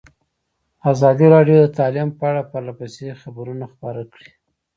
ازادي راډیو د تعلیم په اړه پرله پسې خبرونه خپاره کړي.